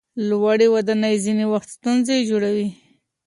لوړې ودانۍ ځینې وخت ستونزې جوړوي.